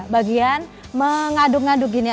bagian mengaduk ngaduk gini